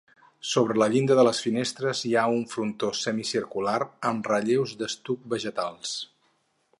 Sobre la llinda de les finestres hi ha un frontó semicircular amb relleus d'estuc vegetals.